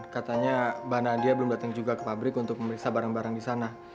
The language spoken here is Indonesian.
katanya mbak nadia belum datang juga ke pabrik untuk memeriksa barang barang di sana